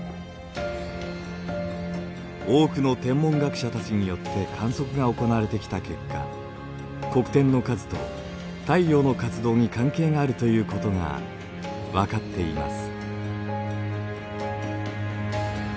多くの天文学者たちによって観測が行われてきた結果黒点の数と太陽の活動に関係があるということが分かっています。